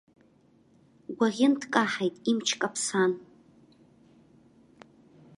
Ӷәакьын дкаҳаит имч каԥсан.